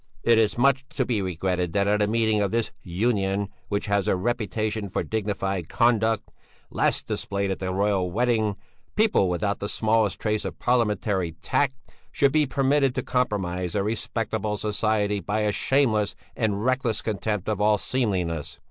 It is much to be regretted that at a meeting of this Union, which has a reputation for dignified conduct (last displayed at the Royal wedding), people without the smallest trace of Parliamentary tact should be permitted to compromise a respectable society by a shameless and reckless contempt of all seemliness.